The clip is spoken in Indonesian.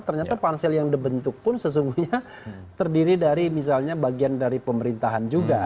ternyata pansel yang dibentuk pun sesungguhnya terdiri dari misalnya bagian dari pemerintahan juga